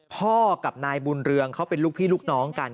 พ่อกับนายบุญเรืองเขาเป็นลูกพี่ลูกน้องกัน